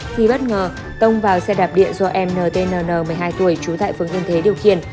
thì bất ngờ tông vào xe đạp điện do em ntn một mươi hai tuổi trú tại phường yên thế điều khiển